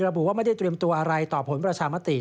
ระบุว่าไม่ได้เตรียมตัวอะไรต่อผลประชามติ